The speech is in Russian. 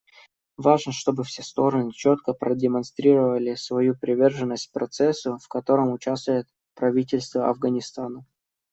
Важно, чтобы все стороны четко продемонстрировали свою приверженность процессу, в котором участвует правительство Афганистана.